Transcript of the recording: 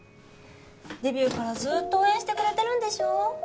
デビューからずっと応援してくれてるんでしょ？